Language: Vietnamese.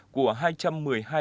của hai trăm linh người